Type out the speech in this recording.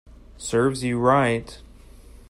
Serves you right